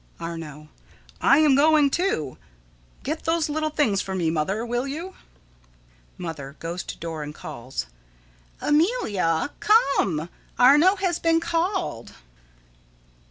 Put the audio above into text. Arno: I am going, too. Get those little things for me, Mother, will you? Mother: [Goes to door and calls.] Amelia! Come. Arno has been called.